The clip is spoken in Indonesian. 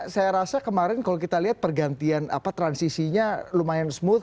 saya rasa kemarin kalau kita lihat pergantian transisinya lumayan smooth